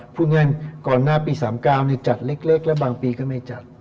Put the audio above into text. พูดง่ายก่อนหน้าปี๓๙จัดเล็กแล้วบางปีก็ไม่จัด